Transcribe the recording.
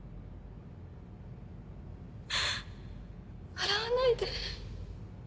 笑わないで。